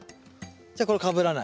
じゃこれかぶらない。